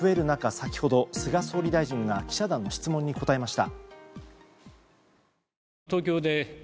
先ほど菅総理大臣が記者団の質問に答えました。